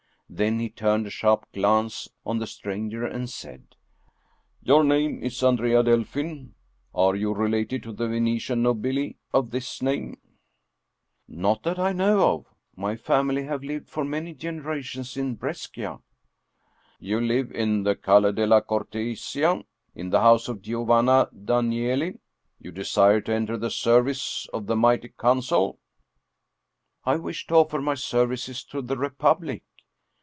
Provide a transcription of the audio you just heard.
Then he turned a sharp glance on the stranger and said :" Your name is Andrea Delfin. Are you related to the Venetian nobili of this name?" 61 German Mystery Stories " Not that I know of. My family have lived for many generations in Brescia." " You live in the Calle della Cortesia, in the house of Giovanna Danieli. You desire to enter the service of the mighty Council?" " I wish to offer my services to the Republic."